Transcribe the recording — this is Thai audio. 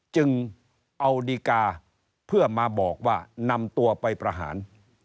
จึงเอาดีกาเพื่อมาบอกว่านำตัวไปประหาร